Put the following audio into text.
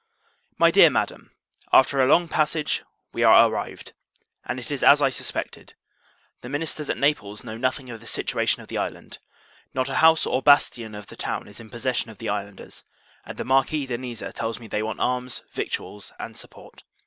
MY DEAR MADAM, After a long passage, we are arrived; and it is as I suspected the ministers at Naples know nothing of the situation of the island. Not a house or bastion of the town is in possession of the islanders; and the Marquis de Niza tells me, they want arms, victuals, and support.